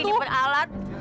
jody ini peralat